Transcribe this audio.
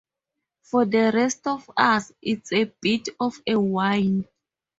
For the rest of us, it's a bit of a yawn.